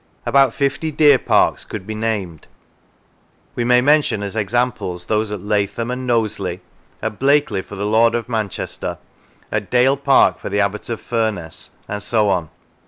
About fifty deer parks could be named : we may mention as examples those at Lathom and Knowsley, at Blackley for the lord of Manchester, at Dale Park for the abbot of Furness, and so on.